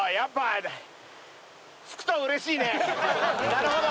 なるほど。